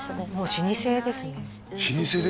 老舗ですね